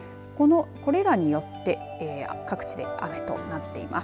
これらによって各地で雨となっています。